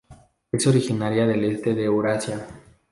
Es originaria del este de Eurasia.